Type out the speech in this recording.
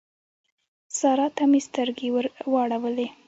سارا ته مې سترګې ور واړولې.